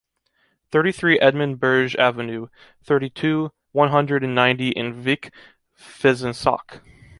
Thirty-three Edmond Bergès Avenue, thirty-two, one hundred and ninety in Vic-Fezensac